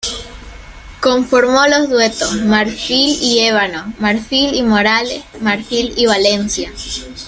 Conformó los duetos: Marfil y Ébano, Marfil y Morales, Marfil y Valencia.